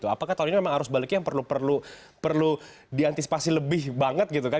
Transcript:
apakah tahun ini memang arus baliknya yang perlu diantisipasi lebih banget gitu kan